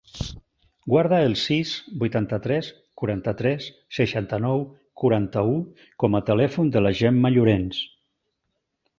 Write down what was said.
Guarda el sis, vuitanta-tres, quaranta-tres, seixanta-nou, quaranta-u com a telèfon de la Gemma Llorens.